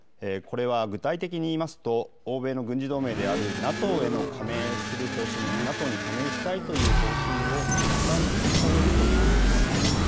これは具体的に言うと欧米の軍事同盟であるＮＡＴＯへの加盟をする方針、ＮＡＴＯに加盟したいという方針をいったん取り下げるということです。